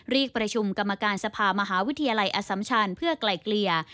เรียกประชุมกรรมการสภามหาวิทยาลัยอสัมชันเพื่อไกลเกลี่ย